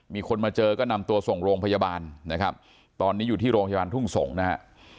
มีคนมาเจอก็นำตัวส่งโรงพยาบาลนะครับตอนนี้อยู่ที่โรงพยาบาลทุ่งสงศ์นะฮะ